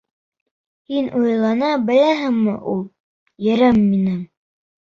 Һин уйлана беләһеңме ул, ерем минең?